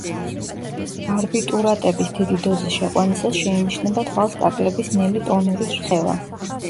ბარბიტურატების დიდი დოზის შეყვანისას შეინიშნება თვალს კაკლების ნელი ტონური რხევა.